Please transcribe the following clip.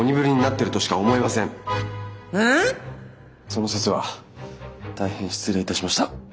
その節は大変失礼いたしました。